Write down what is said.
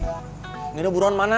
ini tuh buruan mana